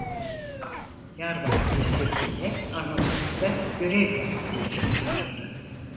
Yarbay rütbesiyle Arnavutluk'ta görev yapması için çağrıldı.